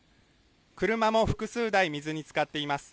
車も複数台、水につかっています。